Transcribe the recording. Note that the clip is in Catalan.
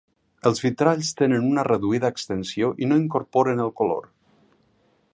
Els vitralls tenen una reduïda extensió i no incorporen el color.